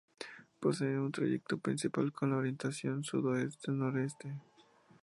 Posee un trayecto principal con orientación sudoeste noreste.